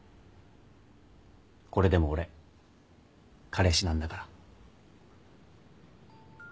これでも俺彼氏なんだから。